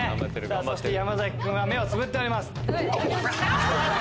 そして山崎君は目をつぶっております。